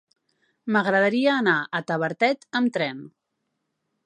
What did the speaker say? M'agradaria anar a Tavertet amb tren.